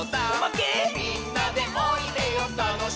「みんなでおいでよたのしいよ」